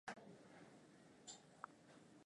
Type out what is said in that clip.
ni pamoja na Wahaya ambao wanapatikana zaidi